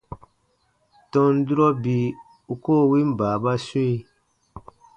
Tɔn durɔ bii u koo win baababa swĩ.